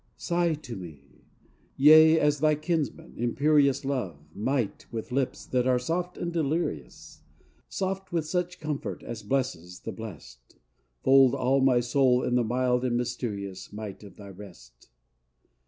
Sigh to me! yea, as thy kinsman, imperious Love, might, with lips that are soft and delirious, Soft with such comfort as blesses the blessed. Fold all my soul in the mild and mysterious Might of thy rest.